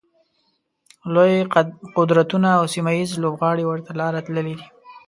لوی قدرتونه او سیمه ییز لوبغاړي ورته لاره تللي دي.